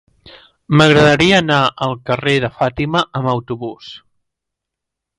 M'agradaria anar al carrer de Fàtima amb autobús.